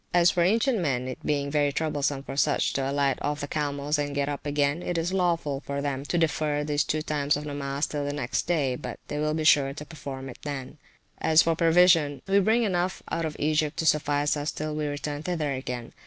As for ancient men, it being very troublesome for such to alight off the camels, and get up again, it is lawful for them to defer these two times of nomas till the next day; but they will be sure to perform it then. As for provisions, we bring enough out of Egypt to suffice us till we return thither again.